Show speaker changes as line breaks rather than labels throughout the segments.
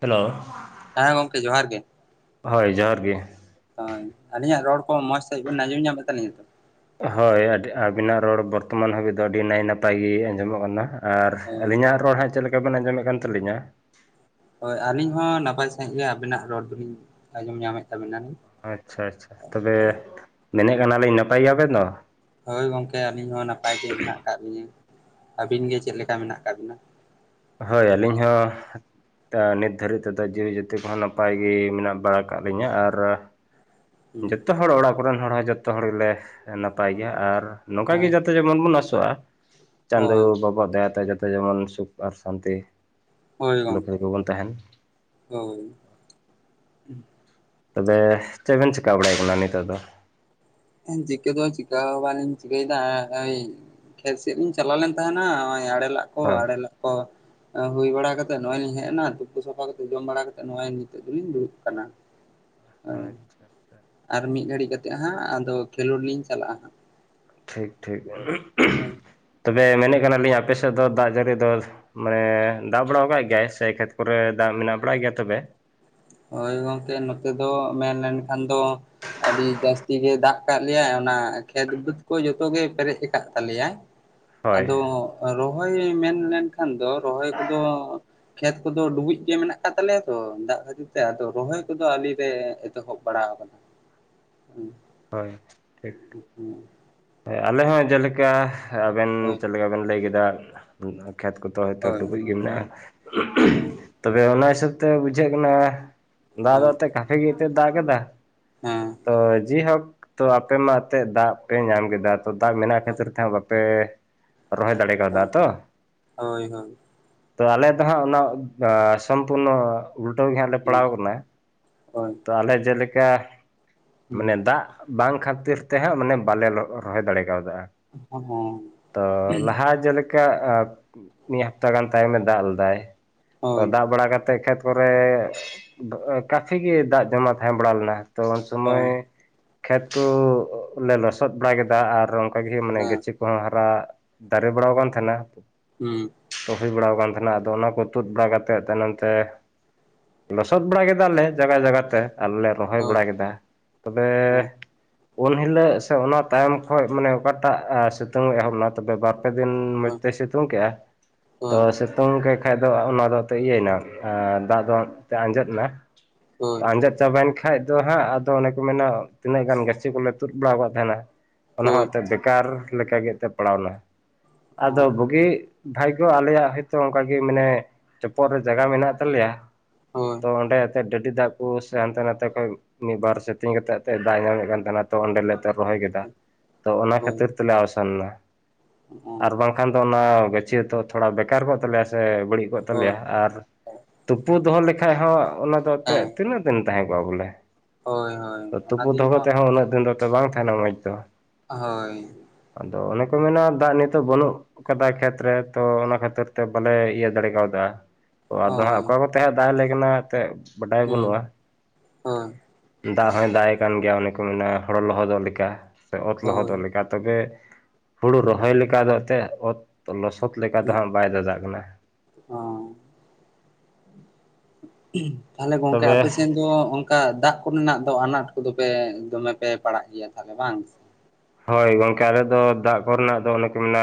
Hello,
ᱦᱮᱸ ᱜᱚᱝᱠᱮ ᱡᱚᱦᱟᱨ ᱜᱮ᱾
ᱦᱳᱭ, ᱡᱚᱦᱟᱨ ᱜᱮ᱾
ᱦᱳᱭ ᱟᱹᱞᱤᱧᱟᱜ ᱨᱚᱲ ᱠᱚ, ᱢᱚᱡᱽ ᱥᱟᱦᱤᱸᱡ ᱵᱤᱱ ᱟᱸᱡᱚᱢ ᱧᱟᱢᱮᱫ ᱛᱟᱹᱞᱤᱧᱟ?
ᱦᱳᱭ ᱟᱹᱰᱤ ᱟᱵᱤᱱᱟᱜ ᱨᱚᱲ ᱵᱚᱨᱛᱚᱢᱟᱱ ᱦᱟᱹᱵᱤᱡ ᱫᱚ, ᱟᱹᱰᱤ ᱱᱟᱭ ᱱᱟᱯᱟᱭ ᱜᱮ ᱟᱸᱡᱚᱢᱚᱜ ᱠᱟᱱᱟ᱾ ᱟᱨ
ᱦᱳᱭ
ᱟᱹᱞᱤᱧᱟᱜ ᱨᱚᱲ ᱦᱟᱸᱜ, ᱪᱮᱫ ᱞᱮᱠᱟ ᱵᱮᱱ ᱟᱸᱡᱚᱢᱮᱫ ᱠᱟᱱ ᱛᱟᱹᱞᱤᱧᱟ?
ᱦᱳᱭ ᱟᱹᱞᱤᱧ ᱦᱚᱸ ᱱᱟᱯᱟᱭ ᱥᱟᱺᱦᱤᱡ ᱜᱮ, ᱟᱵᱤᱱᱟᱜ ᱨᱚᱲ ᱫᱚᱞᱤᱧ, ᱟᱸᱡᱚᱢ ᱧᱟᱢᱮᱫ ᱛᱟᱵᱤᱱᱟ᱾
ᱟᱪᱪᱷᱟ, ᱟᱪᱪᱷᱟ ᱛᱚᱵᱮ ᱢᱮᱱᱮᱫ ᱠᱟᱱᱟᱞᱤᱧ, ᱱᱟᱯᱟᱭ ᱜᱮᱭᱟᱵᱮᱱ ᱛᱚ?
ᱦᱳᱭ ᱜᱚᱝᱠᱮ ᱟᱹᱞᱤᱧ ᱦᱚᱸ, ᱱᱟᱯᱟᱭ ᱜᱮ ᱢᱮᱱᱟᱜ ᱠᱟᱜ ᱞᱤᱧᱟᱹ᱾ ᱟᱹᱵᱤᱱ ᱜᱮ ᱪᱮᱫ ᱞᱮᱠᱟ ᱢᱮᱱᱟᱜ ᱠᱟᱜ ᱵᱤᱱᱟ?
ᱦᱳᱭ ᱟᱹᱞᱤᱧ ᱦᱚᱸ, ᱛᱟᱣ ᱱᱤᱛ ᱫᱷᱟᱹᱨᱤᱡ ᱛᱮᱫᱚ, ᱡᱤᱣᱤ ᱡᱟᱹᱛᱤ ᱠᱚᱦᱚᱸ ᱱᱟᱯᱟᱭ ᱜᱮ, ᱢᱮᱱᱟᱜ ᱵᱟᱲᱟ ᱠᱟᱜ ᱞᱤᱧᱟᱹ, ᱟᱨ- ᱡᱚᱛᱚ ᱦᱚᱲ ᱚᱲᱟᱜ ᱠᱚᱨᱮᱱ ᱦᱚᱲ ᱦᱚᱸ, ᱡᱚᱛᱚ ᱦᱚᱲ ᱜᱮᱞᱮ ᱱᱟᱯᱟᱭ ᱜᱮᱭᱟ, ᱟᱨ ᱱᱚᱝᱠᱟ ᱜᱮ
ᱦᱳᱭ
ᱡᱟ ᱡᱚᱛᱚ ᱡᱮᱢᱚᱱ ᱵᱚᱱ ᱟᱸᱥᱚᱜᱼᱟ, ᱪᱟᱸᱫᱳ
ᱦᱳᱭ
ᱵᱟᱵᱟ ᱟᱜ ᱫᱟᱭᱟᱛᱮ, ᱡᱚᱛᱚ ᱡᱮᱢᱚᱱ ᱥᱩᱠ ᱟᱨ ᱥᱟᱱᱛᱤ
ᱦᱳᱭ
ᱥᱩᱞᱩᱠ
ᱜᱚᱢᱠᱮ
ᱨᱮᱜᱮ ᱵᱚᱱ ᱛᱟᱦᱮᱱ
ᱦᱳᱭ᱾
ᱛᱚᱵᱮ ᱪᱮᱫ ᱵᱮᱱ ᱪᱮᱠᱟ, ᱵᱟᱲᱟᱭ ᱠᱟᱱᱟ ᱱᱤᱛᱚᱜ ᱫᱚ?
ᱪᱤᱠᱟᱹ ᱫᱚ ᱪᱤᱠᱟ ᱵᱟᱞᱤᱧ ᱪᱤᱠᱟᱹᱭ ᱫᱟ, [unintelligible] ᱠᱷᱮᱛ ᱥᱮᱫ ᱞᱤᱧ ᱪᱟᱞᱟᱣ ᱞᱮᱱ ᱛᱟᱦᱮᱸᱱᱟ, ᱱᱚᱜᱼᱚᱭ ᱟᱲᱮ ᱞᱟᱜ ᱠᱚ
ᱦᱳᱭ
ᱟᱲᱮ ᱞᱟᱜ ᱠᱚ᱾ ᱦᱳᱭ ᱵᱟᱲᱟ ᱠᱟᱛᱮᱜ ᱱᱚᱜ ᱚᱭ ᱞᱤᱧ ᱦᱮᱡ ᱱᱟ, ᱛᱩᱯᱩ ᱥᱟᱯᱷᱟ ᱠᱟᱛᱮ ᱡᱚᱢ ᱵᱟᱲᱟ ᱠᱟᱛᱮ, ᱱᱚᱜ ᱚᱭ ᱱᱤᱛᱚᱜ ᱫᱚᱞᱤᱧ ᱫᱩᱲᱩᱵ ᱠᱟᱱᱟ᱾
ᱟᱪᱪᱷᱟ ᱟᱪᱪᱷᱟ [unintelligible]
ᱟᱨ ᱢᱤᱫ ᱜᱷᱟᱹᱲᱤᱡ ᱠᱟᱛᱮᱜ ᱦᱟᱸᱜ, ᱟᱫᱚ ᱠᱷᱮᱞᱳᱰ ᱞᱤᱧ ᱪᱟᱞᱟᱜᱼᱟ ᱦᱟᱸᱜ᱾
ᱴᱷᱤᱠ, ᱴᱷᱤᱠ ᱛᱚᱵᱮ ᱢᱮᱱᱮᱫ ᱠᱟᱱᱟᱞᱤᱧ, ᱟᱯᱮᱥᱮᱫ ᱫᱚ ᱫᱟᱜ ᱡᱟᱹᱲᱤ ᱫᱚ? ᱢᱟᱱᱮ ᱫᱟᱜ ᱵᱟᱲᱟᱣ ᱠᱟᱜ ᱜᱮᱭᱟᱭ ᱥᱮ, ᱠᱷᱮᱛ ᱠᱚᱨᱮ ᱫᱟᱜ ᱢᱮᱱᱟᱜ ᱵᱟᱲᱟ ᱜᱮᱭᱟ ᱛᱚᱵᱮ?
ᱦᱳᱭ ᱜᱚᱝᱠᱮ ᱱᱚᱛᱮ ᱫᱚ, ᱢᱮᱱ ᱞᱮᱱᱠᱷᱟᱱ ᱫᱚ, ᱟᱹᱰᱤ ᱡᱟᱹᱥᱛᱤ ᱜᱮ ᱫᱟᱜ ᱠᱟᱫ ᱞᱮᱭᱟᱭ, ᱚᱱᱟ ᱠᱷᱮᱛ ᱵᱟᱹᱫᱽ ᱠᱚ ᱡᱚᱛᱚ ᱜᱮ, ᱯᱮᱨᱮᱡ ᱠᱟᱫ ᱛᱟᱞᱮᱭᱟᱭ᱾
[unintelligible] [inaudible]
ᱟᱫᱚ ᱨᱚᱦᱚᱭ ᱢᱮᱱᱞᱮᱱ ᱠᱷᱟᱱ ᱫᱚ, ᱨᱚᱦᱚᱭ ᱠᱚᱫᱚ ᱠᱷᱮᱛ ᱠᱚᱫᱚ ᱰᱩᱵᱩᱡ ᱜᱮ, ᱢᱮᱱᱟᱜ ᱠᱟᱫ ᱛᱟᱞᱮᱭᱟ ᱛᱚ, ᱫᱟᱜ ᱠᱷᱟᱛᱤᱨ, ᱛᱮ ᱟᱫᱚ ᱨᱚᱦᱚᱭ ᱠᱚᱫᱚ ᱟᱣᱨᱤ ᱞᱮ, ᱮᱛᱚᱦᱚᱵ ᱵᱟᱲᱟ ᱟᱠᱟᱫᱟ ᱦᱩᱸ᱾
ᱦᱳᱭ ᱴᱷᱤᱠ᱾
ᱦᱩᱸ,
ᱮ ᱟᱞᱮ ᱦᱚᱸ ᱡᱮᱞᱮᱠᱟ ᱟᱵᱮᱱ
ᱦᱳᱭ
ᱪᱮᱫᱠᱟ, ᱵᱮᱱ ᱞᱟᱹᱭ ᱠᱮᱫᱟ ᱠᱷᱮᱛ ᱠᱚ ᱛᱚ ᱦᱤᱛᱳᱜ
ᱦᱳᱭ
ᱰᱩᱵᱩᱡ ᱜᱮ ᱢᱮᱱᱟᱜᱼᱟ,
ᱦᱳᱭ ᱦᱮᱸ
ᱛᱚᱵᱮ ᱚᱱᱟ ᱦᱤᱥᱟᱹᱵ ᱛᱮ ᱵᱩᱡᱷᱟᱹᱜ ᱠᱟᱱᱟ ᱫᱟᱜ ᱫᱚ
ᱦᱳᱭ
ᱚᱱᱛᱮ ᱠᱟᱯᱷᱤ ᱜᱮᱛᱚ ᱫᱟᱜ, ᱠᱟᱫᱟ ᱛᱚ ᱡᱮᱦᱳᱠ, ᱛᱚ ᱟᱯᱮ ᱢᱟ ᱚᱛᱮ ᱫᱟᱜ ᱯᱮ, ᱧᱟᱢ ᱠᱮᱫᱟ ᱛᱚ ᱫᱟᱜ ᱢᱮᱱᱟᱜ ᱠᱷᱟᱹᱛᱤᱨ ᱛᱮᱦᱚᱸ, ᱵᱟᱯᱮ ᱨᱚᱦᱚᱭ ᱫᱟᱲᱮ ᱠᱟᱫᱟ ᱛᱚ,
ᱦᱳᱭ ᱦᱳᱭ ᱦᱳᱭ
ᱛᱚ ᱟᱞᱮ ᱫᱚ ᱦᱟᱸᱜ ᱚᱱᱟ ᱥᱚᱢᱯᱩᱱᱚ ᱩᱞᱴᱟᱹᱣ ᱜᱮ ᱦᱟᱸᱜ ᱞᱮ ᱯᱟᱲᱟᱣ ᱠᱟᱱᱟ,
ᱦᱳᱭ
ᱛᱚ ᱟᱞᱮ ᱡᱮᱞᱮᱠᱟ ᱢᱟᱱᱮ ᱫᱟᱜ, ᱵᱟᱝ ᱠᱷᱟᱹᱛᱤᱨ ᱛᱮ ᱦᱟᱸᱜ, ᱢᱟᱱᱮ ᱵᱟᱞᱮ ᱨᱚᱦᱚᱭ ᱫᱟᱲᱮ ᱠᱟᱣᱫᱟ᱾ ᱛᱚ ᱞᱟᱦᱟ ᱡᱮ ᱞᱮᱠ ᱠᱟᱜ ᱢᱤᱫ ᱦᱟᱯᱛᱟ ᱜᱟᱱ ᱛᱟᱭᱚᱢᱮ ᱫᱟᱜ ᱞᱮᱫᱟᱭ ᱛᱚ
ᱦᱳᱭ
ᱫᱟᱜ ᱵᱟᱲᱟ ᱠᱟᱛᱮ ᱠᱷᱮᱛ ᱯᱚᱨᱮ [unintelligible] ᱠᱟᱯᱷᱤ ᱜᱮ ᱫᱟᱜ ᱡᱚᱢᱟ ᱛᱟᱦᱮᱸ ᱵᱟᱲᱟ ᱞᱮᱱᱟ ᱛᱚ ᱩᱱ
ᱦᱳᱭ
ᱥᱚᱢᱚᱭ ᱠᱷᱮᱛ ᱠᱩᱻ ᱞᱮ ᱞᱚᱥᱚᱫ ᱵᱟᱲᱟ ᱠᱮᱫᱟ ᱟᱨ ᱚᱱᱠᱟᱜᱮ ᱢᱟᱱᱮ
ᱦᱮᱸ
ᱜᱟᱪᱷᱤ ᱠᱚ ᱦᱚᱸ ᱦᱟᱨᱟ ᱫᱟᱨᱮ ᱵᱟᱲᱟᱣ ᱟᱠᱟᱱ ᱛᱟᱦᱮᱸᱱᱟ
ᱦᱩᱸ
ᱨᱚᱦᱚᱭ ᱵᱟᱲᱟᱣ ᱟᱠᱟᱱ ᱛᱟᱦᱮᱱᱟ ᱟᱫᱚ ᱚᱱᱟ ᱠᱚ ᱛᱩᱫ ᱵᱟᱲᱟ ᱠᱟᱛᱮᱫ ᱛᱟᱭᱱᱚᱢ ᱛᱮ ᱞᱳᱥᱳᱫ ᱵᱟᱲᱟ ᱠᱮᱫᱟᱞᱮ ᱡᱟᱜᱟ ᱡᱟᱜᱟ ᱛᱮ ᱟᱞᱮ ᱞᱮ ᱨᱚᱦᱚᱭ ᱵᱟᱲᱟ ᱠᱮᱫᱟ ᱛᱚᱵᱮ ᱩᱱ ᱦᱤᱞᱳᱜ ᱥᱮ ᱚᱱᱟ ᱛᱟᱭᱚᱢ ᱠᱷᱚᱡ ᱢᱟᱱᱮ ᱚᱠᱟᱴᱟᱜ ᱥᱤᱛᱩᱝ ᱮᱦᱚᱵ ᱞᱮᱱᱟ ᱛᱚᱵᱮ ᱵᱟᱛ ᱯᱮ ᱫᱤᱱ ᱢᱚᱡᱽᱛᱮ ᱥᱤᱛᱩᱝ ᱠᱮᱫᱼᱟ ᱛᱚ ᱥᱤᱛᱩᱝ ᱠᱮᱫ ᱠᱷᱟᱡ ᱫᱚ ᱚᱱᱟ ᱫᱚ ᱟᱫᱚ ᱤᱭᱟᱹᱭ ᱮᱱᱟ ᱟᱨ ᱫᱟᱜ ᱫᱚ ᱮᱱᱛᱮ ᱟᱸᱡᱮᱫ ᱮᱱᱟ ᱟᱸᱡᱮᱫ ᱪᱟᱵᱟᱭᱮᱱ ᱠᱷᱟᱱᱡ ᱫᱚ ᱦᱟᱸᱜ ᱟᱫᱚ ᱚᱱᱮ ᱠᱚ ᱢᱮᱱᱟ ᱛᱤᱱᱟᱹᱜ ᱜᱟᱱ ᱜᱟᱹᱪᱷᱤ ᱠᱚᱞᱮ ᱛᱩᱫ ᱵᱟᱲᱟ ᱟᱠᱟᱫ ᱛᱟᱦᱮᱱᱟ ᱚᱱᱟᱦᱚᱸ ᱮᱱᱛᱮ ᱵᱮᱠᱟᱨ ᱞᱮᱠᱟᱜᱮ ᱮᱱᱛᱮ ᱯᱟᱲᱟᱣ ᱮᱱᱟ ᱟᱫᱚ ᱵᱩᱜᱤ ᱵᱷᱟᱭᱜᱳ ᱟᱞᱮᱭᱟᱜ ᱦᱭᱛᱚ ᱚᱱᱠᱟᱜᱮ ᱢᱟᱱᱮ ᱪᱚᱯᱚᱜ ᱨᱮ ᱡᱟᱭᱜᱟ ᱢᱮᱱᱟᱜ ᱛᱟᱞᱮᱭᱟ
ᱦᱳᱭ
ᱛᱚ ᱚᱸᱰᱮ ᱮᱱᱛᱮ ᱰᱟᱹᱰᱤ ᱫᱟᱜ ᱠᱚ ᱥᱮ ᱦᱟᱱᱛᱮ ᱱᱷᱟᱛᱮ ᱠᱷᱚᱡ ᱢᱤᱫ ᱵᱟᱨ ᱥᱮᱛᱮᱧ ᱠᱟᱛᱮᱜ ᱮᱱᱛᱮ ᱫᱟᱜ ᱮ ᱧᱟᱢᱮᱫ ᱠᱟᱱ ᱛᱟᱦᱮᱱᱟ ᱛᱚ ᱚᱸᱰᱮ ᱞᱮ ᱨᱚᱦᱚᱭ ᱠᱮᱫᱟ ᱛᱚ ᱚᱱᱟ ᱠᱷᱟᱹᱛᱤᱨ ᱛᱮᱞᱮ ᱟᱣᱥᱟᱱ ᱮᱱᱟ ᱟᱨ ᱵᱟᱝ ᱠᱷᱟᱱ ᱫᱚ ᱚᱱᱟ ᱜᱟᱹᱪᱷᱤ ᱦᱚᱸᱛᱚ ᱛᱷᱚᱲᱟ ᱵᱮᱠᱟᱨ ᱠᱚᱜ ᱛᱟᱞᱮᱭᱟ ᱥᱮ ᱵᱟᱹᱲᱤᱡ ᱠᱚᱜ ᱛᱟᱞᱮᱭᱟ ᱟᱨ ᱛᱩᱯᱩ ᱫᱚᱦᱚ ᱞᱮᱠᱷᱟᱡ ᱦᱚᱸ ᱚᱱᱟ ᱫᱚ ᱮᱱᱛᱮᱫ ᱛᱤᱱᱟᱹᱜ ᱫᱤᱱ ᱛᱟᱦᱮᱸ ᱠᱚᱜᱼᱟ ᱵᱚᱞᱮ ᱛᱩᱯᱩ ᱫᱚᱦᱚ ᱠᱟᱛᱮ ᱦᱚᱸ ᱩᱱᱟᱹᱜ ᱫᱤᱱ ᱫᱚ ᱵᱟᱝ ᱛᱟᱦᱮᱸᱱᱟ ᱢᱚᱡᱽ ᱫᱚ
ᱦᱳᱭ
ᱟᱫᱚ ᱚᱱᱮ ᱠᱚ ᱢᱮᱱᱟ ᱫᱟᱜ ᱱᱤᱛᱳᱜ ᱵᱟᱹᱱᱩᱜ ᱚᱠᱟ ᱫᱟᱜ ᱠᱷᱮᱛᱨᱮ ᱛᱚ ᱚᱱᱟ ᱠᱷᱟᱹᱛᱤᱨ ᱛᱮ ᱵᱟᱞᱮ ᱤᱭᱟᱹ ᱫᱟᱲᱮ ᱠᱟᱣᱫᱟ ᱛᱚ ᱟᱫᱚ ᱦᱟᱸᱜ
ᱦᱳᱭ,
ᱚᱠᱟ ᱠᱚᱛᱮ ᱦᱟᱸᱜ ᱫᱟᱜ ᱟᱞᱮ ᱠᱟᱱᱟ ᱮᱱᱛᱮ ᱵᱟᱰᱟᱭ
ᱦᱩᱸ,
ᱵᱟᱹᱱᱩᱜᱼᱟ
ᱦᱳᱭ,
ᱫᱟᱜ ᱦᱚᱸᱭ ᱫᱟᱜ ᱮᱫ ᱠᱟᱱ ᱜᱮᱭᱟ ᱚᱱᱮ ᱠᱚ ᱢᱮᱱᱟ ᱦᱚᱲ ᱞᱚᱦᱚᱫᱚᱜ ᱞᱮᱠᱟ ᱥᱮ ᱚᱛ ᱞᱚᱦᱚᱫᱚᱜ
ᱦᱳᱭ,
ᱞᱮᱠᱟ ᱛᱚᱵᱮ ᱦᱩᱲᱩ ᱨᱚᱦᱚᱭ ᱞᱮᱠᱟ ᱫᱚ ᱮᱱᱛᱮᱫ ᱚᱛ ᱞᱚᱥᱚᱫ ᱞᱮᱠᱟ ᱫᱚ ᱦᱟᱸᱜ ᱵᱟᱭ ᱫᱟᱫᱟᱜ ᱠᱟᱱᱟ
ᱦᱚᱸ - ᱛᱟᱞᱦᱮ ᱜᱚᱝᱠᱮ
ᱛᱚᱵᱮ
ᱟᱯᱮ ᱥᱮᱱ ᱫᱚ ᱚᱜ ᱠᱟ ᱫᱟᱜ ᱠᱚᱨᱮᱱᱟᱜ ᱫᱚ ᱟᱱᱟᱴ ᱠᱚᱫᱚ ᱯᱮ ᱫᱚᱢᱮ ᱯᱮ ᱯᱟᱲᱟᱜ ᱜᱮᱭᱟ ᱛᱟᱦᱮᱞᱮ ᱵᱟᱝ?
ᱦᱳᱭ ᱜᱚᱝᱠᱮ ᱟᱞᱮ ᱫᱚ ᱫᱟᱜ ᱠᱚᱨᱮᱱᱟᱜ ᱫᱚ ᱚᱱᱮ ᱠᱚ ᱢᱮᱱᱟ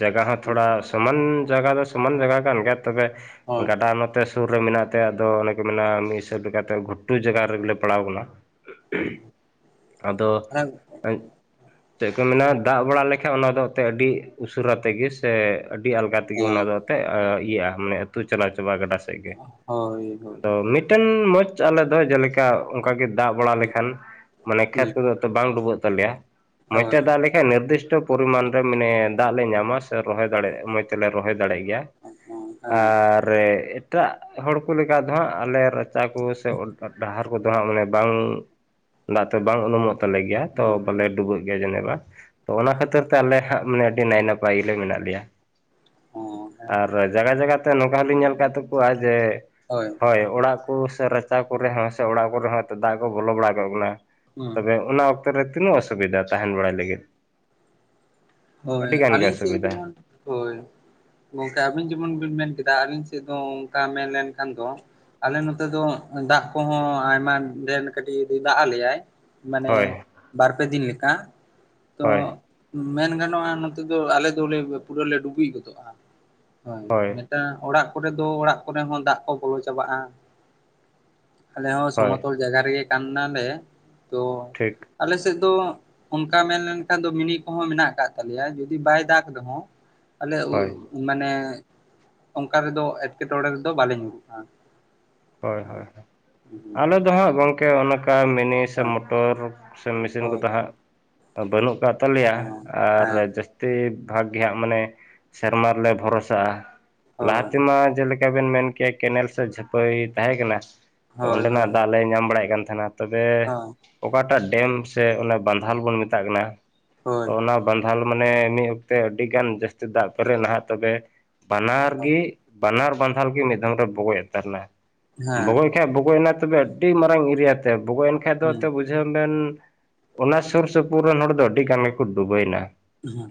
ᱡᱟᱭᱜᱟ ᱦᱚᱸ
ᱦᱩᱸ,
ᱛᱷᱚᱲᱟ ᱥᱚᱢᱟᱱ ᱡᱟᱜᱟ ᱫᱚ ᱥᱚᱢᱟᱱ ᱡᱟᱜᱟ ᱠᱟᱱ ᱜᱮᱭᱟ ᱛᱚᱵᱮ
ᱦᱳᱭ,
ᱜᱟᱰᱟ ᱱᱚ ᱛᱮ ᱥᱩᱨ ᱨᱮ ᱢᱮᱱᱟᱜ ᱛᱮ ᱟᱫᱚ ᱚᱱᱮ ᱠᱚ ᱢᱮᱱᱟ ᱢᱤᱫ ᱦᱤᱥᱟᱹᱵ ᱞᱮᱠᱟᱛᱮ ᱜᱷᱩᱴᱩ ᱡᱟᱜᱟᱦ ᱨᱮᱜᱤ ᱞᱮ ᱯᱟᱲᱟᱣ ᱟᱠᱟᱱᱟ᱾
ᱦᱩᱸ,
[unintelligible] ᱟᱫᱚ
ᱛᱟᱦᱚᱞᱮ
[inaudible] ᱪᱮᱜ ᱠᱚ ᱢᱮᱱᱟ ᱫᱟᱜ ᱵᱟᱲᱟ ᱞᱮᱠᱷᱟᱡ ᱚᱱᱟ ᱫᱚ ᱮᱛᱮ ᱟᱹᱰᱤ ᱩᱥᱟᱹᱨᱟ ᱛᱮᱜᱮ ᱥᱮ ᱟᱹᱰᱤ ᱟᱞᱜᱟ ᱛᱮᱜᱮ ᱚᱱᱟ
ᱦᱮᱸ,
ᱫᱚ ᱛᱮ ᱤᱭᱟᱹᱜᱼᱟ ᱢᱟᱱᱮ ᱟᱹᱛᱩ ᱪᱟᱞᱟᱣ ᱪᱟᱵᱟᱜᱼᱟ ᱜᱟᱰᱟ ᱥᱮᱫ ᱜᱮ
ᱦᱳᱭ, ᱦᱳᱭ,
ᱟᱫᱚ ᱢᱤᱫ ᱴᱮᱱ ᱢᱚᱪ ᱟᱞᱮ ᱫᱚ ᱡᱮ ᱞᱮᱠᱟ ᱚᱱᱠᱟ ᱜᱮ ᱫᱟᱜ ᱵᱟᱲᱟ
ᱦᱩᱸ,
ᱞᱮᱠᱷᱟᱱ ᱢᱟᱱᱮ ᱠᱷᱮᱛ
ᱦᱩᱸ,
ᱠᱚᱫᱚ ᱛᱚ ᱵᱟᱝ ᱰᱩᱵᱟᱹᱜ ᱛᱟᱞᱮᱭᱟ ᱢᱚᱡᱽ ᱛᱮ
ᱦᱳᱭ,
ᱫᱟᱜ ᱞᱮᱠᱷᱟᱱ ᱱᱤᱨᱫᱟᱹᱥᱴᱚ ᱯᱚᱨᱤᱢᱟᱱ ᱨᱮ ᱢᱟᱱᱮ ᱫᱟᱜ ᱞᱮ ᱧᱟᱢᱟ ᱨᱚᱦᱚᱭ ᱫᱟᱲᱮᱭᱟᱜᱼᱟ ᱢᱚᱡᱽ ᱛᱮ ᱞᱮ ᱨᱚᱦᱚᱭ ᱫᱟᱲᱮᱭᱟᱜ ᱜᱮᱭᱟ
ᱦᱮᱸ, ᱦᱮᱸ
ᱟᱨ ᱨᱮ ᱮᱴᱟᱜ ᱦᱚᱲ ᱠᱚ ᱞᱮᱠᱟ ᱫᱚ ᱦᱟᱸᱜ ᱟᱞᱮ ᱨᱟᱪᱟ ᱠᱚ ᱥᱮ [unintelligible] ᱰᱟᱦᱟᱨ ᱠᱟᱫᱚ ᱦᱟᱸᱜ ᱢᱟᱱᱮ ᱵᱟᱝ ᱫᱟᱜ ᱛᱮ ᱵᱟᱝ ᱩᱱᱩᱢᱚᱜ ᱛᱟᱞᱮ ᱜᱮᱭᱟ ᱛᱚ ᱵᱟᱞᱮ ᱰᱩᱵᱟᱹᱜ ᱜᱮ ᱡᱮᱱᱮᱡ ᱵᱟᱸ ᱛᱚ ᱚᱱᱟ ᱠᱷᱟᱹᱛᱤᱨ ᱛᱮ ᱟᱞᱮ ᱦᱟᱸᱜ ᱢᱟᱱᱮ ᱟ. ᱰᱤ ᱱᱟᱭ-ᱱᱟᱯᱟᱭ ᱜᱤ ᱞᱮ ᱢᱮᱱᱟᱜ ᱞᱮᱭᱟ
ᱦᱩᱸ, ᱦᱮᱸ,
ᱟᱨ ᱡᱟᱜᱟᱦ-ᱡᱟᱜᱟᱦ ᱛᱮ ᱱᱚᱝᱠᱟ ᱦᱚᱞᱤᱧ ᱧᱮᱞ ᱟᱠᱟᱜ ᱛᱟᱠᱚᱣᱟ ᱡᱮ
ᱦᱳᱭ
ᱦᱳᱭ ᱚᱲᱟᱜ ᱠᱚ ᱥᱮ ᱨᱟᱪᱟ ᱠᱚᱨᱮ ᱦᱚᱸ ᱥᱮ ᱚᱲᱟᱜ ᱠᱚᱨᱮ ᱦᱚᱸ ᱫᱟᱜ ᱠᱚ ᱵᱚᱞᱚ ᱵᱟᱲᱟ ᱠᱚᱜ ᱠᱟᱱᱟ᱾
ᱦᱩᱸ
ᱛᱚᱵᱮ ᱚᱱᱟ ᱚᱠᱛᱚ ᱨᱮ ᱛᱤᱱᱟᱹᱜ ᱚᱥᱩᱵᱤᱫᱷᱟ ᱛᱟᱦᱮᱱ ᱵᱟᱲᱟᱭ ᱞᱟᱹᱜᱤᱫ?
ᱦᱳᱭ
ᱟᱹᱰᱤ ᱜᱟᱱ ᱜᱮ
ᱟᱞᱤᱧ ᱥᱮᱜ
ᱚᱥᱩᱵᱤᱫᱟ
ᱡᱮᱢᱚᱱ ᱦᱳᱭ᱾ ᱜᱚᱝᱠᱮ ᱟᱵᱤᱱ ᱡᱮᱢᱚᱱ ᱵᱤᱱ ᱢᱮᱱ ᱠᱮᱫᱟ ᱟᱹᱞᱤᱧ ᱥᱮᱫ ᱫᱚ ᱚᱱᱠᱟ ᱢᱮᱱ ᱞᱮᱱᱠᱷᱟᱱ ᱫᱚ ᱟᱞᱮ ᱱᱚᱛᱮ ᱫᱚ ᱫᱟᱜ ᱠᱚᱦᱚᱸ ᱟᱭᱢᱟ ᱰᱷᱮᱨ ᱠᱟᱹᱴᱤᱡ ᱫᱟᱜ ᱟᱞᱮᱭᱟᱭ᱾ ᱢᱟᱱᱮ
ᱦᱳᱭ
ᱵᱟᱨᱯᱮ ᱫᱤᱱ ᱞᱮᱠᱟ ᱛᱚ
ᱦᱳᱭ
ᱢᱮᱱ ᱜᱟᱱᱚᱜᱼᱟ ᱱᱚᱛᱮ ᱫᱚ ᱟᱞᱮ ᱫᱚᱞᱮ ᱯᱩᱨᱟᱹ ᱞᱮ ᱰᱩᱵᱤᱭ ᱜᱚᱫᱚᱜᱼᱟ ᱦᱳᱭ᱾ ᱚᱲᱟᱜ ᱠᱚᱨᱮ ᱫᱚ ᱚᱲᱟᱜ ᱠᱚᱨᱮ ᱦᱚᱸ ᱫᱟᱜ ᱠᱚ ᱵᱚᱞᱚ ᱪᱟᱵᱟᱜᱼᱟ᱾ ᱟᱞᱮ ᱦᱚᱸ
ᱦᱳᱭ
ᱥᱚᱢᱚᱛᱚᱞ ᱡᱟᱜᱟ ᱨᱮᱜᱮ ᱠᱟᱱ ᱱᱟᱞᱮ ᱛᱚ
ᱴᱷᱤᱠ
ᱟᱞᱮᱥᱮᱫ ᱫᱚ ᱚᱱᱠᱟ ᱢᱮᱱ ᱞᱮᱱᱠᱷᱟᱱ ᱫᱚ ᱢᱤᱱᱤᱼᱼ ᱠᱚᱦᱚᱸ ᱢᱮᱱᱟᱜ ᱟᱠᱟᱜ ᱛᱟᱞᱮᱭᱟ ᱡᱩᱫᱤ ᱵᱟᱭ ᱫᱟᱜ ᱨᱮᱦᱚᱸ ᱟᱞᱮ
ᱦᱳᱭ
ᱩᱜᱼᱼ ᱢᱟᱱᱮ ᱚᱱᱠᱟ ᱨᱮᱫᱚ ᱮᱴᱠᱮᱴᱚᱬᱮ ᱨᱮᱫᱚ ᱵᱟᱞᱮ ᱧᱩᱨᱩᱜᱼᱟ᱾
ᱦᱳᱭ ᱦᱳᱭ ᱦᱳᱭ ᱟᱞᱮ ᱫᱚ ᱦᱟᱸᱜ ᱜᱚᱝᱠᱮ ᱚᱱᱠᱟ ᱢᱤᱱᱤ ᱥᱮ
ᱦᱳᱭ
ᱢᱚ ᱴᱚᱨ ᱥᱮᱱ ᱢᱮᱥᱤᱱ
ᱦᱳᱭ
ᱠᱚᱫᱚ ᱦᱟᱸᱜ ᱵᱟᱹᱱᱩᱜ ᱟᱠᱟᱜ ᱛᱟᱞᱮᱭᱟ ᱟᱨ
ᱦᱮᱸ
ᱡᱟᱹᱥᱼᱼ ᱛᱮ ᱵᱷᱟᱜ ᱜᱮᱦᱟᱸᱜ ᱢᱟᱱᱮ ᱥᱮᱨᱢᱟ ᱨᱮᱞᱮ ᱵᱷᱚᱨᱚᱥᱟᱼᱟ ᱞᱟᱦᱟ
ᱦᱳᱭ
ᱛᱮᱢᱟ ᱡᱮᱞᱮᱠ ᱠᱮ ᱵᱮᱱ ᱢᱮᱱ ᱠᱮᱭ ᱠᱮᱱᱮᱞ ᱥᱮ ᱡᱷᱟᱹᱯᱟᱹᱭ ᱛᱟᱦᱮᱸ ᱠᱟᱱᱟ ᱛᱚ
ᱦᱳᱭ ᱦᱳᱭ
ᱚᱸᱰᱮᱱᱟᱜ ᱫᱟᱜ ᱞᱮ ᱧᱟᱢ ᱵᱟᱲᱟᱭᱮ ᱠᱟᱱ ᱛᱟᱦᱮᱱᱟ᱾ ᱛᱚᱵᱮ ᱚᱠᱟᱴᱟᱜ ᱰᱮᱢ ᱥᱮ ᱚᱱᱟ ᱵᱟᱸᱫᱷᱟᱱ ᱵᱚᱱ ᱢᱮᱛᱟᱜ ᱠᱟᱱᱟ ᱛᱚ
ᱦᱳᱭ
ᱚᱱᱟ ᱵᱟᱸᱫᱷᱟᱞ ᱢᱟᱱᱮᱜ ᱢᱤᱜ ᱚᱠᱛᱮ ᱟᱹᱰᱤᱜᱟᱱ ᱡᱟᱹᱥᱛᱤ ᱫᱟᱜ ᱯᱮᱨᱮᱜ ᱞᱟᱦᱟᱜ ᱛᱚᱵᱮ ᱵᱟᱱᱟᱨ ᱜᱮᱼᱼ ᱵᱟᱱᱟᱨ ᱵᱟᱸᱫᱷᱟᱞ ᱜᱮ ᱢᱤᱼᱫᱷᱟᱶ ᱨᱮ ᱵᱚᱜᱚᱭᱚᱜ ᱛᱟᱦᱮᱱᱟ
ᱦᱮᱸ
ᱵᱚᱜᱚᱭ ᱦᱮ ᱵᱚᱜᱚᱭᱮᱱᱟ ᱛᱚᱵᱮ ᱟᱹᱰᱤ ᱢᱟᱨᱟᱝ ᱮᱨᱤᱭᱟᱛᱮ ᱵᱚᱜᱚᱭᱮᱱ ᱠᱷᱟᱱ ᱫᱚ ᱛᱮ ᱵᱩ ᱰᱮᱱ ᱚᱱᱟ ᱥᱩᱨ ᱥᱩᱯᱩᱨ ᱨᱮᱱ ᱦᱚᱲ ᱫᱚ ᱟᱹᱰᱤ ᱜᱟᱱ ᱜᱮ ᱠᱚ ᱰᱩᱵᱟᱹᱭᱱᱟ᱾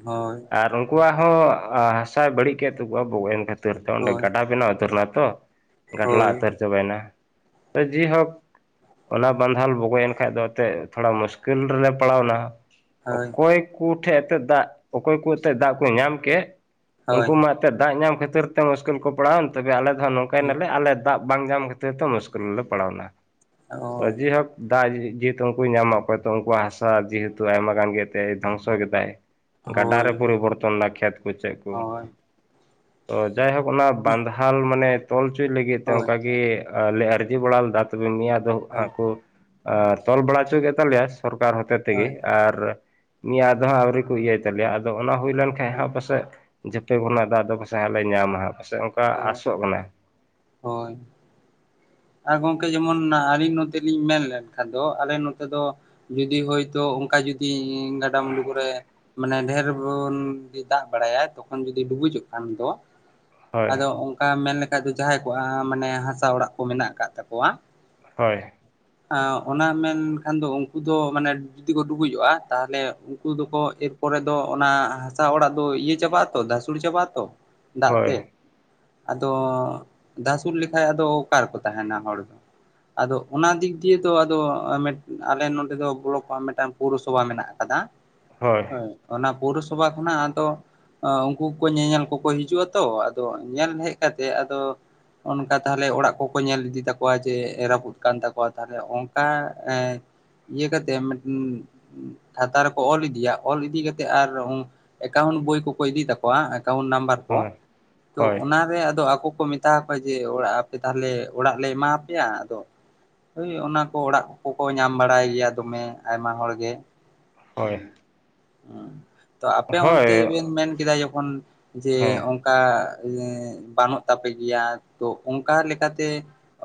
ᱦᱳᱭ᱾
ᱟᱨ ᱩᱱᱠᱩᱣᱟᱜ ᱦᱚᱸ ᱦᱟᱥᱟᱭ ᱵᱟᱹᱲᱤᱡ ᱠᱮᱜ ᱛᱟᱠᱚᱣᱟ ᱵᱚᱜᱚᱭᱮᱱ ᱠᱷᱟᱹᱛᱤᱨ ᱛᱮ ᱚᱸᱰᱮ
ᱦᱳᱭ ᱦᱳᱭ
ᱜᱟᱰᱟ ᱵᱮᱱᱟᱣ ᱩᱛᱟᱹᱨᱮᱱᱟ ᱛᱚ᱾ ᱜᱟᱰᱞᱟ
ᱦᱳᱭ
ᱩᱛᱟᱹᱨ ᱪᱟᱵᱟᱭᱮᱱᱟ ᱛᱚ ᱡᱮᱦᱳᱠ ᱚᱱᱟ ᱵᱟᱸᱫᱷᱟᱞ ᱵᱚᱜᱚᱭᱮᱱ ᱠᱷᱟᱡᱽ ᱫᱚ ᱮᱱᱛᱮᱫ ᱛᱷᱚᱲᱟ ᱢᱩᱥᱠᱤᱞ ᱨᱮᱞᱮ ᱯᱟᱲᱟᱣᱱᱟ᱾ ᱚᱠᱚᱭ ᱠᱩ ᱴᱷᱮᱡ ᱮᱱᱛᱮ ᱫᱟᱜ ᱚᱠᱚᱭ ᱠᱚ ᱮᱱᱛᱮ ᱫᱟᱜ ᱠᱩ ᱧᱟᱢ ᱠᱮᱜ
ᱦᱳᱭ
ᱩᱱᱠᱩ
ᱦᱳᱭ
ᱢᱟ ᱫᱟᱜ ᱧᱟᱢ ᱠᱷᱟᱹᱛᱤᱨ ᱛᱮ ᱢᱩᱥᱠᱤᱞ ᱠᱚ ᱯᱟᱲᱟᱣᱮᱱ ᱛᱚᱵᱮ ᱟᱞᱮ ᱫᱚᱦᱟᱜ ᱱᱚᱝᱠᱟᱭᱱᱟᱞᱮ ᱟᱞᱮ ᱫᱟᱜ ᱵᱟᱝ ᱧᱟᱢ ᱠᱷᱟᱹᱛᱤᱨ ᱛᱚ ᱢᱩᱥᱠᱤᱞ ᱨᱮᱞᱮ ᱯᱟᱲᱟᱣᱱᱟ ᱛᱚ
ᱦᱳᱭ
ᱡᱮᱦᱳᱠᱼᱼ ᱫᱟᱜ ᱡᱮᱦᱮᱛᱩ ᱩᱱᱠᱩ ᱧᱟᱢᱟ ᱚᱠᱚᱭ ᱛᱚ ᱩᱱᱠᱩᱣᱟᱜ ᱦᱟᱥᱟ ᱡᱮᱦᱮᱛᱩ ᱟᱭᱢᱟ ᱜᱟᱱ ᱜᱮ ᱛᱮ ᱫᱷᱚᱝᱥᱚ ᱠᱮᱛᱟᱭ, ᱜᱟᱰᱟ
ᱦᱳᱭ
ᱨᱮ ᱯᱩᱨᱤ ᱵᱚᱨᱛᱚᱱᱟ ᱠᱷᱮᱛ ᱠᱳ ᱪᱮᱜ ᱠᱩ᱾
ᱦᱳᱭ
ᱛᱚ ᱡᱟᱭᱦᱳᱠ ᱚᱱᱟ ᱵᱟᱱᱫᱷᱟᱞ ᱢᱟᱱᱮ ᱛᱚᱞ ᱪᱚᱭ ᱞᱟᱹᱜᱤᱫ ᱛᱮ
ᱦᱳᱭ
ᱚᱱᱠᱟᱜᱮ ᱞᱮ ᱟᱹᱨᱡᱤ ᱵᱟᱲᱟ ᱞᱮᱫᱟ ᱛᱚᱵᱮ ᱢᱮᱭᱟ ᱫᱚ ᱦᱟᱸᱜ ᱠᱩ ᱟᱨ ᱛᱚᱞ ᱵᱟᱲᱟ ᱦᱚᱪᱚ ᱠᱮᱫ ᱛᱟᱞᱮᱭᱟ᱾ ᱥᱚᱨᱠᱟᱨ ᱦᱚᱛᱮ ᱛᱮᱜᱮ
ᱦᱳᱭ
ᱟᱨ ᱱᱤᱭᱟᱹ ᱫᱚ ᱦᱟᱸ ᱟᱹᱣᱨᱤ ᱠᱚ ᱤᱭᱟᱹᱭ ᱛᱟᱞᱮᱭᱟ ᱟᱫᱚ ᱟᱫᱚ ᱚᱱᱟ ᱦᱩᱭ ᱞᱮᱱ ᱠᱷᱟᱸᱡ ᱦᱟᱸᱜ ᱯᱟᱥᱮᱜ ᱡᱷᱮᱯᱮ ᱜᱚᱱᱟᱜ ᱫᱟᱜ ᱫᱚ ᱯᱟᱥᱮᱡ ᱦᱟᱸᱜ ᱞᱮ ᱧᱟᱢᱟ ᱦᱟᱸᱜᱼᱟ᱾ ᱥᱮ ᱚᱱᱠᱟ ᱟᱥᱚᱜ ᱠᱟᱱᱟᱭ᱾
ᱦᱳᱭ᱾ ᱟᱨ ᱜᱚᱝᱠᱮ ᱡᱮᱢᱚᱱ ᱟᱹᱞᱤᱧ ᱱᱚᱛᱮ ᱞᱤᱧ ᱢᱮᱱ ᱞᱮᱱᱠᱷᱟᱱ ᱫᱚ ᱟᱞᱮ ᱱᱚᱛᱮ ᱫᱚ᱾ ᱡᱩᱫᱤ ᱦᱳᱭᱛᱳ ᱚᱱᱠᱟ ᱡᱩᱫᱤ ᱜᱟᱰᱟ ᱢᱩᱸᱰᱩ ᱠᱚᱨᱮᱼᱼ ᱢᱟᱱᱮ ᱰᱷᱮᱨ ᱵᱩᱱ ᱫᱟᱜ ᱵᱟᱲᱟᱭᱟ ᱛᱚᱠᱷᱚᱱ ᱡᱩᱫᱤ ᱰᱩᱵᱩᱡᱚᱜ ᱠᱷᱟᱱ ᱫᱚ᱾
ᱦᱳᱭ
ᱟᱫᱚ ᱚᱱᱠᱟ ᱢᱮᱱ ᱞᱮᱠᱷᱟᱡ ᱫᱚ ᱡᱟᱦᱟᱸᱭ ᱠᱚᱣᱟᱜ ᱢᱟᱱᱮ ᱦᱟᱥᱟ ᱚᱲᱟᱜ ᱠᱚ ᱢᱮᱱᱟᱜ ᱠᱟᱫ ᱛᱟᱠᱚᱣᱟ᱾
ᱦᱳᱭ
ᱚᱱᱟ ᱢᱮᱱᱠᱷᱟᱱ ᱫᱚ ᱩᱱᱠᱩ ᱫᱚ ᱢᱟᱱᱮᱼᱼ ᱡᱩᱫᱤ ᱠᱚ ᱰᱩᱵᱩᱡᱚᱜᱼᱟ ᱛᱟᱦᱞᱮ ᱩᱱᱠᱩ ᱫᱚᱠᱚ ᱮᱨ ᱯᱚᱨᱮ ᱫᱚ ᱚᱱᱟ ᱦᱟᱥᱟ ᱚᱲᱟᱜ ᱫᱚ ᱤᱭᱟᱹ ᱪᱟᱵᱟᱜᱼᱼ ᱛᱚ ᱫᱷᱟᱥᱩᱲ ᱪᱟᱵᱟᱜ-ᱟ ᱛᱚ ᱫᱟᱜ
ᱦᱳᱭ
ᱛᱮ ᱟᱫᱚ ᱫᱷᱟᱥᱩᱲ ᱞᱮᱠᱷᱟᱡ ᱟᱫᱚᱼᱼ ᱚᱠᱟᱨᱮ ᱠᱚ ᱛᱟᱦᱮᱱᱟ ᱦᱚᱲ ᱫᱚ᱾ ᱟᱫᱚ ᱚᱱᱟ ᱫᱤᱠ ᱫᱤᱭᱮ ᱫᱚ ᱟᱫᱚ ᱟᱞᱮ ᱱᱚᱰᱮ ᱫᱚ ᱵᱞᱚᱠ ᱠᱷᱚᱱ ᱢᱤᱫᱴᱟᱝ ᱯᱳᱨᱚᱥᱚᱵᱷᱟ ᱢᱮᱱᱟᱜ ᱟᱠᱟᱫᱟ᱾
ᱦᱚᱭ᱾
ᱦᱳᱭ ᱚᱱᱟ ᱯᱳᱨᱚᱥᱚᱵᱷᱟ ᱠᱷᱚᱱᱟᱜ ᱟᱫᱚ ᱟᱹ ᱩᱝᱠᱩ ᱧᱮᱧᱮᱞ ᱠᱚᱠᱚ ᱦᱤᱡᱩᱜᱼᱟ ᱛᱚ ᱟᱫᱚ ᱧᱮᱞ ᱦᱮᱜ ᱠᱟᱛᱮ ᱟᱫᱚ ᱚᱱᱠᱟ ᱛᱟᱦᱞᱮ ᱚᱲᱟᱜ ᱠᱚ ᱠᱚ ᱧᱮᱞ ᱤᱫᱤ ᱛᱟᱠᱚᱣᱟ ᱡᱮ ᱨᱟᱹᱯᱩᱫ ᱠᱟᱱ ᱛᱟᱠᱚᱣᱟ ᱛᱟᱦᱞᱮ ᱚᱝᱠᱟ ᱮᱸ ᱤᱭᱟᱹ ᱠᱟᱛᱮᱜ ᱢᱤᱫᱴᱮᱱ ᱠᱷᱟᱛᱟ ᱨᱮᱠᱚ ᱚᱞ ᱤᱫᱤᱭᱟ ᱚᱞ ᱤᱫᱤ ᱠᱟᱛᱮᱜ ᱟᱨ ᱮᱠᱟᱣᱩᱱᱴ ᱵᱳᱭ ᱠᱚᱠᱚ ᱤᱫᱤ ᱛᱟᱠᱚᱣᱟ, ᱮᱠᱟᱣᱩᱴ ᱱᱟᱢᱵᱟᱨ᱾ ᱠᱚᱣᱟ,
ᱦᱳᱭ
ᱛᱚ
ᱦᱳᱭ
ᱚᱱᱟᱨᱮ ᱟᱫᱚ ᱟᱠᱚ ᱠᱚ ᱢᱮᱛᱟ ᱠᱚᱣᱟ ᱡᱮ ᱚᱲᱟᱜ ᱟᱯᱮ ᱫᱚ ᱛᱟᱦᱟᱞᱮ ᱚᱲᱟᱜ ᱞᱮ ᱮᱢᱟᱣ ᱯᱮᱭᱟ ᱟᱫᱚ ᱳᱭ ᱚᱱᱟ ᱠᱚ ᱚᱲᱟᱜ ᱠᱚᱠᱚ ᱧᱟᱢ ᱵᱟᱲᱟᱭ ᱜᱮᱭᱟ, ᱫᱚᱢᱮ ᱟᱭᱢᱟ ᱦᱚᱲ ᱜᱮ᱾
ᱦᱚᱭ᱾
[unintelligible] ᱛᱚ ᱟᱯᱮ ᱚᱱᱛᱮ
ᱦᱳᱭ
ᱵᱤᱱ ᱢᱮᱱ ᱠᱮᱫᱟ ᱡᱚᱠᱷᱚᱱ ᱡᱮ
ᱦᱮᱸ
ᱚᱱ ᱠᱟ [unintelligible] ᱵᱟᱹᱱᱩᱜ ᱛᱟᱯᱮ ᱜᱮᱭᱟ ᱛᱚ ᱚᱱᱠᱟ ᱞᱮᱠᱟᱛᱮ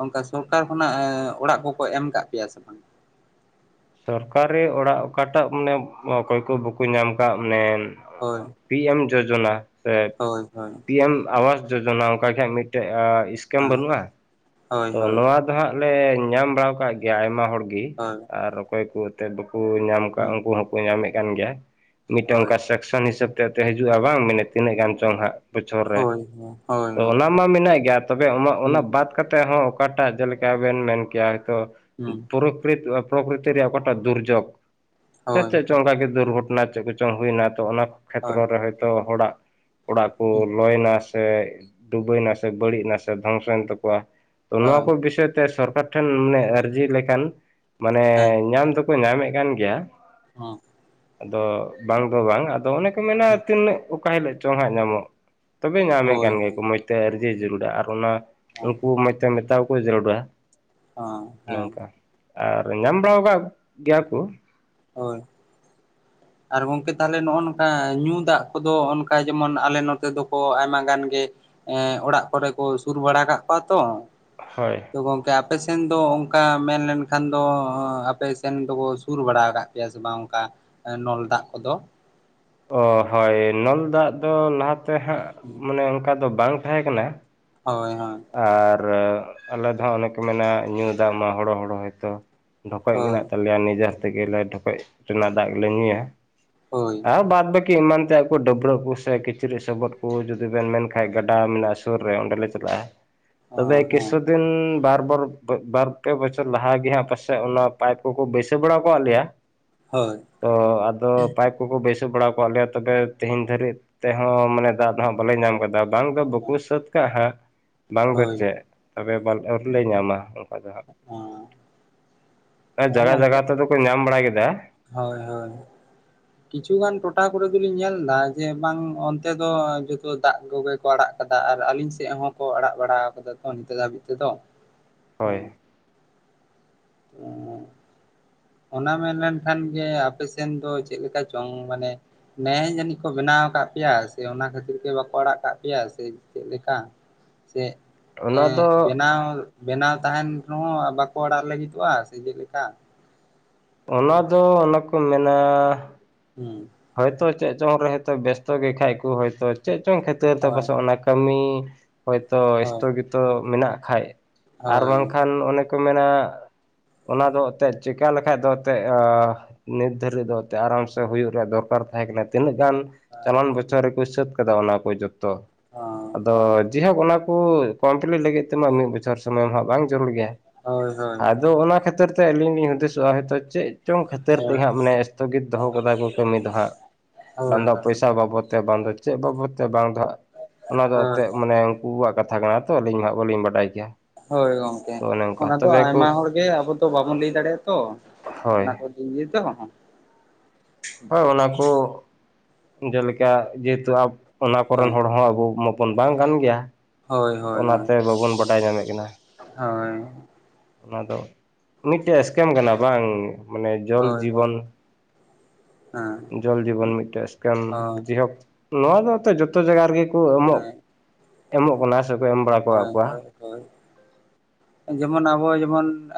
ᱚᱝᱠᱟ ᱥᱚᱨᱠᱟᱨ ᱠᱷᱚᱱᱟᱜ ᱟᱹ ᱚᱲᱟᱜ ᱠᱚᱠᱚ ᱮᱢ ᱠᱟᱜ ᱯᱮᱭᱟ ᱥᱮ ᱵᱟᱝ?
ᱥᱚᱨᱠᱟᱨᱤ ᱚᱲᱟᱜ ᱚᱠᱟᱴᱟᱜ ᱢᱟᱱᱮ ᱚᱠᱚᱭ ᱠᱚ ᱵᱟᱠᱩ ᱧᱟᱢ ᱠᱟᱜ ᱱᱮ
ᱦᱳᱭ
ᱯᱤ ᱮᱢ ᱡᱳᱡᱚᱱᱟ ᱥᱮ
ᱦᱳᱭ ᱦᱳᱭ
ᱯᱤ ᱮᱢ ᱟᱣᱟᱥ ᱡᱳᱡᱚᱱᱟ ᱚᱱᱠᱟ ᱜᱮ ᱦᱟᱸᱜ ᱢᱤᱫᱴᱮᱡ ᱟ ᱤᱥ ᱠᱮᱢ
ᱦᱮᱸ
ᱵᱟᱹᱱᱩᱜᱼᱟ᱾
ᱦᱳᱭ
ᱛᱚ
ᱦᱳᱭ
ᱱᱚᱣᱟ ᱫᱚ ᱦᱟᱸᱜ ᱞᱮ ᱧᱟᱢ ᱵᱟᱲᱟᱣ ᱠᱟᱜ ᱜᱮᱭᱟ, ᱟᱭᱢᱟ ᱦᱚᱲᱜᱤ
ᱦᱳᱭ
ᱟᱨ ᱚᱠᱚᱭ ᱠᱚ ᱛᱮ ᱵᱟᱠᱩ ᱧᱟᱢ ᱠᱟᱜ
ᱦᱩᱸ
ᱩᱝᱠᱩ ᱦᱚᱸᱠᱚ ᱧᱟᱢᱮᱜ ᱠᱟᱱ ᱜᱮᱭᱟ ᱢᱤᱫᱴᱮᱱ
ᱦᱳᱭ
ᱚᱝᱠᱟ ᱥᱮ ᱥᱚᱱ ᱦᱤᱥᱟᱹᱵ ᱛᱮ-ᱛᱮ ᱦᱤᱡᱩᱜᱼᱟ ᱵᱟᱝ ᱢᱮᱱᱮᱜ ᱛᱤᱱᱟᱹᱜ ᱜᱟᱱ ᱪᱚᱝ ᱦᱟᱸᱜ᱾ ᱵᱚᱪᱷᱚᱨ ᱨᱮ,
ᱦᱳᱭ ᱦᱳᱭ
ᱛᱚ
ᱦᱩᱸ
ᱚᱱᱟ ᱢᱟ ᱢᱮᱱᱟᱜ ᱜᱮᱭᱟ, ᱛᱚᱵᱮ ᱚᱱᱟ-ᱚᱱᱟ-ᱚᱱᱟ ᱵᱟᱫ ᱛᱮ ᱦᱚᱸ ᱚᱠᱟᱴᱟᱜ ᱡᱮᱞᱮᱠᱟ ᱵᱮᱱ ᱢᱮᱱ ᱠᱮᱭᱟ ᱛᱚ
ᱦᱩᱸ
ᱯᱩᱨᱟᱹᱯᱩᱨᱤ ᱯᱨᱚᱠᱨᱤᱛᱤ ᱨᱮᱭᱟᱜ ᱚᱠᱟᱴᱟᱜ ᱫᱩᱨᱡᱜᱽ ᱥᱮ
ᱦᱳᱭ
ᱪᱮᱫ ᱪᱚᱝ ᱚᱱᱠᱟᱜᱮ ᱫᱩᱨᱜᱷᱚᱴᱚᱱᱟ ᱪᱮᱫ ᱠᱚᱪᱚᱝ ᱦᱩᱭᱱᱟ ᱛᱚ ᱚᱱᱟ
ᱦᱳᱭ
ᱠᱷᱮᱛᱨᱚ ᱨᱮ ᱦᱚᱳᱭᱛᱳ ᱦᱚᱲᱟᱜ ᱚᱲᱟᱜ ᱠᱩ
ᱦᱩᱸ
ᱞᱚᱭᱱᱟ᱾ ᱥᱮ ᱰᱩᱵᱟᱹᱭ ᱱᱟᱥᱮ, ᱵᱟᱹᱲᱤᱜ ᱱᱟᱥᱮ, ᱫᱷᱚᱝᱥᱚᱭᱮᱱ ᱛᱟᱠᱚᱣᱟ᱾ ᱱᱚᱣᱟ
ᱦᱳᱭ
ᱠᱚ ᱵᱤᱥᱚᱭ ᱛᱮ ᱥᱚᱨᱠᱟᱨ ᱴᱷᱮᱱ ᱢᱟᱱᱮ ᱟᱹᱨᱡᱤ ᱞᱮᱠᱷᱟᱱ ᱢᱟᱱᱮ
ᱦᱮᱸ
ᱧᱟᱢ ᱫᱚ ᱧᱟᱢᱮᱜ ᱠᱟᱱ ᱜᱮᱭᱟ᱾
[inaudible]
ᱟᱫᱚ ᱵᱟᱝ ᱫᱚ ᱵᱟᱝ ᱟᱫᱚ ᱚᱱᱮ ᱠᱚ ᱢᱮᱱᱟ
ᱦᱩᱸ
ᱛᱤᱱᱟᱹᱜ ᱚᱠᱟ ᱦᱤᱞᱳᱜ ᱪᱚᱝ ᱦᱟᱸᱜ ᱧᱟᱢᱚᱜ᱾ ᱛᱚᱵᱮ ᱧᱟᱢᱮ
ᱦᱳᱭ
ᱠᱟᱱ ᱜᱤᱭᱟ ᱠᱩ ᱢᱚᱡᱽ ᱛᱮ ᱟᱹᱨᱡᱤ ᱡᱟᱹᱨᱩᱲᱟ ᱟᱨ ᱚᱱᱟ ᱩᱱᱠᱩ ᱢᱚᱡᱽ ᱛᱮ ᱢᱮᱛᱟᱣ ᱠᱩ ᱡᱟᱹᱨᱩᱲᱟ, ᱚᱱᱟᱝ
ᱦᱮᱸ
ᱠᱟ᱾ ᱟᱨ ᱧᱟᱢ ᱵᱟᱲᱟᱣ ᱠᱟᱜ ᱜᱤᱭᱟ ᱠᱩ᱾
ᱦᱳᱭ᱾ ᱟᱨ ᱜᱚᱢᱠᱮ ᱛᱟᱦᱚᱞᱮ ᱱᱚᱜᱼᱚ ᱱᱚᱝᱠᱟ ᱧᱩ ᱫᱟᱜ ᱠᱚᱫᱚ ᱚᱱᱠᱟ ᱡᱮᱢᱚᱱ ᱟᱞᱮ ᱱᱚᱛᱮ ᱫᱚᱠᱚ ᱟᱭᱢᱟ ᱜᱟᱱ ᱜᱮ ᱮ ᱚᱲᱟᱜ ᱠᱚᱨᱮ ᱠᱩ ᱥᱩᱨ ᱵᱟᱲᱟ ᱠᱟᱜ ᱠᱚᱣᱟ ᱛᱚ᱾
ᱦᱳᱭ᱾
ᱛᱚ ᱜᱚᱝᱠᱮ ᱟᱯᱮᱥᱱ ᱫᱚ ᱚᱝᱠᱟ ᱢᱮᱱᱞᱱᱠᱷᱟᱱ ᱫᱚ ᱟᱯᱮᱥᱱ ᱫᱚᱵᱚ ᱥᱩᱨ ᱵᱟᱲᱟ ᱠᱟᱜ ᱯᱮᱭᱟ ᱥᱮ ᱵᱟᱝ ᱚᱝᱠᱟ, ᱮ ᱱᱚᱞ ᱫᱟᱜ ᱠᱚᱫᱚ?
ᱚ ᱦᱳᱭ ᱱᱚᱞ ᱫᱟᱜ ᱫᱚ ᱞᱟᱦᱟᱛᱮ ᱦᱟᱸᱜ ᱢᱟᱱᱮ ᱚᱝᱠᱟ ᱫᱚ ᱵᱟᱝ ᱛᱟᱦᱮᱸ ᱠᱟᱱᱟ᱾
ᱦᱳᱭ ᱦᱳᱭ᱾
ᱟᱨ ᱟᱞᱮ ᱫᱚ ᱦᱟᱸᱜ ᱚᱱᱮ ᱠᱚ ᱢᱮᱱᱟ ᱧᱩ ᱫᱟᱜ ᱢᱟ ᱦᱚᱲᱚ ᱦᱚᱲᱚ ᱦᱚᱭᱛᱚ᱾ ᱰᱷᱚᱠᱚᱡ
ᱦᱳᱭ
ᱢᱮᱱᱟᱜ ᱛᱟᱞᱮᱭᱟ ᱱᱤᱡᱮᱨ ᱛᱮᱜᱮᱞᱮ ᱰᱷᱚᱠᱚᱡ ᱨᱮᱱᱟᱜ ᱫᱟᱜ ᱜᱮᱞᱮ ᱧᱩᱭᱟ᱾
ᱦᱳᱭ᱾
ᱛᱟᱣ ᱵᱟᱫ ᱵᱟᱹᱠᱤ ᱮᱢᱟᱱ ᱛᱮᱭᱟᱜ ᱠᱚ ᱰᱟᱹᱵᱨᱟᱹᱜ ᱠᱩ ᱥᱮ ᱠᱤᱪᱨᱤ ᱥᱚᱵᱚᱫ ᱠᱩ ᱡᱩᱫᱤ ᱵᱮᱱ ᱢᱮᱱ ᱠᱷᱟᱱᱡ ᱜᱟᱰᱟ ᱢᱮᱱᱟᱜ ᱥᱮ ᱥᱩᱨ ᱨᱮ ᱚᱸᱰᱮᱞ ᱞᱮ ᱪᱟᱞᱟᱜᱼᱟ᱾ ᱛᱚᱵᱮ
ᱦᱮᱸ
ᱠᱮᱥᱳᱫ ᱫᱤᱱ ᱵᱟᱨ ᱵᱟᱨ ᱵᱟᱨ ᱯᱮ ᱵᱚᱪᱷᱚᱨ ᱞᱟᱦᱟ ᱜᱮ ᱦᱟᱸᱜ ᱯᱟᱥᱮᱫ ᱚᱱᱟ ᱯᱟᱭᱤᱯ ᱠᱚᱠᱚ ᱵᱟᱹᱭᱥᱟᱹᱣ ᱵᱟᱲᱟ ᱠᱟᱫ ᱞᱮᱭᱟ᱾
ᱦᱳᱭ
ᱛᱚ ᱟᱫᱚ ᱯᱟᱭᱤᱯ ᱠᱩᱠᱚ ᱵᱟᱹᱭᱥᱟᱣ ᱵᱟᱲᱟ ᱟᱠᱟᱫ ᱞᱮᱭᱟ᱾ ᱛᱚᱵᱮ ᱛᱮᱦᱤᱧ ᱫᱷᱟᱹᱨᱤᱡ ᱛᱮᱦᱚᱸ ᱢᱟᱱᱮ ᱫᱟᱜ ᱦᱟᱸᱜ ᱵᱟᱞᱮ ᱧᱟᱢ ᱠᱟᱫᱟ᱾ ᱵᱟᱝ ᱫᱚ ᱵᱟᱠᱚ ᱥᱟᱹᱛ ᱠᱟᱜ ᱦᱟᱸᱜ᱾ ᱵᱟᱝ ᱫᱚ
ᱦᱳᱭ
ᱪᱮᱜ, ᱛᱚᱵᱮ ᱟᱹᱣᱨᱤᱞᱮ ᱧᱟᱢᱟ ᱚᱝᱠᱟ ᱫᱚ ᱦᱟᱸᱜ᱾ ᱟᱨ
ᱦᱮᱸ
ᱡᱟᱜᱟ ᱡᱟᱜᱟ
ᱜᱚᱝᱠᱮ
ᱛᱮᱫᱚ ᱠᱚ ᱧᱟᱢ ᱵᱟᱲᱟ ᱠᱮᱫᱟ᱾
ᱦᱳᱭ ᱦᱳᱭ᱾
[unintelligible]
ᱠᱤᱪᱷᱩ ᱜᱟᱱ ᱴᱚᱴᱷᱟ ᱠᱚᱨᱮ ᱫᱚᱞᱤᱧ ᱧᱮᱞ ᱫᱟ ᱡᱮ ᱵᱟᱝ ᱚᱱᱛᱮ ᱫᱚ ᱡᱷᱚᱛᱚ ᱫᱟᱜ ᱠᱚᱜᱮ ᱠᱚ ᱟᱲᱟᱜ ᱠᱟᱫᱟ ᱟᱨ ᱟᱹᱞᱤᱧ ᱥᱮᱫ ᱦᱚᱸᱠᱚ ᱟᱲᱟᱜ ᱵᱟᱲᱟ ᱠᱟᱫᱟ ᱛᱚ ᱱᱤᱛᱚᱜ ᱫᱷᱟᱹᱵᱤᱡ ᱛᱮᱫᱚ᱾
ᱦᱳᱭ᱾
ᱛᱚ ᱚᱱᱟ ᱢᱮᱱ ᱞᱮᱱᱠᱷᱟᱱ ᱜᱮ ᱟᱯᱮᱥᱮᱱ ᱫᱚ ᱪᱮᱫ ᱞᱮᱠᱟ ᱪᱚᱝ ᱢᱟᱱᱮ ᱱᱮᱭ ᱡᱟᱹᱱᱤᱡ ᱠᱚ ᱵᱮᱱᱟᱣ ᱠᱟᱜ ᱯᱮᱭᱟ, ᱥᱮ ᱚᱱᱟ ᱠᱷᱟᱹᱛᱤᱨ ᱜᱮ ᱵᱟᱠᱚ ᱟᱲᱟᱜ ᱠᱟᱫ ᱯᱮᱭᱟ, ᱥᱮ ᱪᱮᱫ ᱞᱮᱠᱟ, ᱪᱮᱜ?
ᱚᱱᱟ
ᱮᱸᱜ
ᱫᱚ
ᱵᱮᱱᱟᱣ ᱵᱮᱱᱟᱣ ᱛᱟᱦᱮᱸᱱ ᱨᱮᱦᱚᱸ ᱵᱟᱠᱚ ᱟᱲᱟᱜ ᱞᱟᱹᱜᱤᱛᱚᱜᱼᱟ ᱥᱮ ᱪᱮᱫᱮᱠᱟ?
ᱚᱱᱟ ᱫᱚ ᱚᱱᱟ ᱠᱚ ᱢᱮᱱᱟ
ᱦᱩᱸ᱾
ᱦᱳᱭᱛᱚ ᱪᱮᱜ ᱪᱚ ᱨᱮᱦᱳᱭᱛᱚ ᱵᱮᱥᱛᱚ ᱜᱮ ᱠᱷᱟᱡ ᱠᱚ ᱦᱳᱭᱛᱳ ᱪᱮᱫ ᱪᱚᱝ ᱠᱷᱟᱹᱛᱟᱹᱨ ᱛᱮ
ᱦᱳᱭ
ᱯᱟᱥᱮ ᱚᱱᱟ ᱠᱟᱹᱢᱤ ᱦᱳᱭᱛᱳ
ᱦᱳᱭ
ᱮᱥᱛᱚᱜᱤᱛᱚ ᱢᱮᱱᱟᱜ ᱠᱷᱟᱡ ᱟᱨ
ᱦᱳᱭ
ᱵᱟᱝ ᱠᱷᱟᱱ ᱚᱱᱮ ᱠᱚ ᱢᱮᱱᱟ ᱚᱱᱟ ᱫᱚ ᱛᱮᱫ ᱪᱮᱠᱟ ᱞᱮᱠᱷᱟᱡ ᱫᱚ ᱛᱮᱜ ᱱᱤᱛ ᱫᱷᱟᱹᱨᱤᱡ ᱫᱚ ᱛᱮᱜ ᱟᱨᱟᱢ ᱥᱮ ᱦᱩᱭᱩᱜ ᱨᱮᱭᱟᱜ ᱫᱚᱨ ᱠᱟᱨ ᱛᱟᱦᱮᱸ ᱠᱟᱱᱟ᱾ ᱛᱤᱱᱟᱹᱜ ᱜᱟᱱ ᱪᱟᱞᱟᱣᱮᱱ ᱵᱚᱪᱷᱚᱨ ᱨᱮᱠᱚ ᱦᱤᱥᱟᱹᱛ ᱠᱟᱫᱟ ᱚᱱᱟ ᱠᱚ ᱡᱷᱚᱛᱚ᱾
ᱦᱳᱭ
ᱟᱫᱚ
ᱦᱳᱭ
ᱡᱮᱦᱳᱠ ᱚᱱᱟ ᱠᱩ ᱠᱚᱢᱯᱞᱤᱴ ᱞᱟᱹᱜᱤᱫ ᱛᱮᱢᱟ ᱢᱤᱫ ᱵᱚᱪᱷᱚᱨ ᱥᱚᱢᱚᱭ ᱢᱟ ᱦᱟᱸᱜ ᱵᱟᱝ ᱡᱩᱲᱩᱲ ᱜᱮᱭᱟ᱾
ᱦᱳᱭ ᱦᱳᱭ
ᱟᱫᱚ ᱚᱱᱟ ᱠᱷᱟᱹᱛᱤᱨ ᱛᱮ ᱟᱹᱞᱤᱧ ᱞᱤᱧ ᱦᱩᱫᱤᱥᱚᱜᱼᱟ ᱦᱳᱭᱛᱚ ᱪᱮᱜ ᱪᱚᱝ ᱠᱷᱟᱹᱛᱤᱨ ᱛᱮ
ᱦᱳᱭ
ᱦᱟᱸᱜ ᱢᱟᱱᱮ ᱮᱥᱛᱷᱚᱜᱤᱛ ᱫᱚᱦᱚ ᱠᱟᱫᱟ ᱠᱚ ᱠᱟᱹᱢᱤ ᱫᱚ ᱦᱟᱸᱜ᱾ ᱵᱟᱝ
ᱦᱳᱭ
ᱫᱚ ᱯᱚᱭᱥᱟ ᱵᱟᱵᱚᱫ ᱛᱮ ᱵᱟᱝ ᱫᱚ ᱪᱮᱫ ᱵᱟᱵᱚᱫ ᱛᱮ ᱵᱟᱝ ᱫᱚ ᱦᱟᱸᱜ ᱚᱱᱟ ᱫᱚ
ᱦᱳᱭ
ᱮᱱᱛᱮᱫ ᱢᱟᱱᱮ ᱩᱱᱠᱩᱣᱟᱜ ᱠᱟᱛᱷᱟ ᱠᱟᱱᱟ ᱛᱚ ᱟᱹᱞᱤᱧ ᱢᱟ ᱵᱟᱹᱞᱤᱧ ᱵᱟᱰᱟᱭ ᱠᱮᱭᱟ᱾
ᱦᱳᱭ ᱜᱚᱢᱠᱮ᱾ ᱚᱱᱟ ᱫᱚ ᱟᱭᱢᱟ ᱦᱚᱲ ᱜᱮ ᱟᱵᱚ ᱫᱚ ᱵᱟᱵᱚᱱ ᱞᱟᱹᱭ ᱫᱟᱲᱮᱭᱟᱜᱼᱟ ᱛᱚ,
ᱦᱳᱭ
ᱚᱱᱟ ᱠᱚ ᱤᱢᱱᱤ ᱛᱮ ᱵᱟᱠᱷᱟᱱ
ᱦᱳᱭ ᱚᱱᱟ ᱠᱩ ᱡᱮᱞᱮᱠᱟ ᱡᱮᱦᱮᱛᱩ ᱟᱵ ᱚᱱᱟ ᱠᱚᱨᱮᱱ ᱦᱚᱲ ᱦᱚᱸ ᱟᱵᱩ ᱢᱟᱜ ᱵᱚᱱ ᱵᱟᱝ ᱠᱟᱱ ᱜᱮᱭᱟ,
ᱦᱳᱭ ᱦᱳᱭ ᱦᱳᱭ
ᱚᱱᱟᱛᱮ ᱵᱟᱵᱚᱱ ᱵᱟᱰᱟᱭ ᱧᱟᱢᱮᱫ ᱠᱟᱱᱟ᱾
ᱦᱳᱭ
ᱚᱱᱟ ᱫᱚ ᱢᱤᱫᱴᱮᱡ ᱮᱥᱠᱮᱢ ᱠᱟᱱᱟ ᱵᱟᱝ? ᱢᱟᱱᱮ ᱡᱚᱞ
ᱦᱳᱭ ᱦᱳᱭ
ᱡᱤᱵᱚᱱ
ᱦᱮᱸ
ᱡᱚᱞ ᱡᱤᱵᱚᱱ ᱢᱤᱫᱴᱮᱡ ᱮᱥᱠᱮᱢ
ᱦᱳᱭ
ᱡᱮ ᱦᱚᱠ ᱱᱚᱣᱟ ᱫᱚ ᱮᱛᱮᱜ ᱡᱚᱛᱚ ᱡᱟᱜᱟ ᱨᱮᱜᱮ ᱠᱚ ᱮᱢᱚᱜ
ᱦᱮᱸ
ᱮᱢᱚᱜ ᱠᱟᱱᱟ, ᱥᱮᱠᱚ ᱮᱢ ᱵᱟᱲᱟ ᱠᱟᱜ
ᱦᱳᱭ
ᱠᱚᱣᱟ
ᱦᱳᱭ ᱦᱳᱭ, ᱡᱮᱢᱚᱱ ᱟᱵᱚ ᱡᱮᱢᱚᱱ